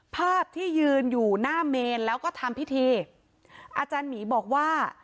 ภาพที่ยืนอยู่หน้าเมนแล้วก็ทำพิธีอาจารย์หมีบอกว่า